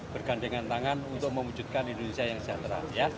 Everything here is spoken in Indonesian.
bergandengan tangan untuk mewujudkan indonesia yang sejahtera